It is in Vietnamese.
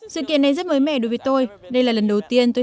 sự kiện này rất mới mẻ đối với tôi đây là lần đầu tiên tôi